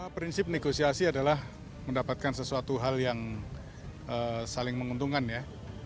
prinsip negosiasi adalah mendapatkan sesuatu hal yang saling menguntungkan ya